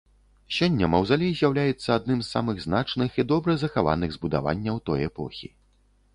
Сёння маўзалей з'яўляецца адным з самых значных і добра захаваных збудаванняў той эпохі.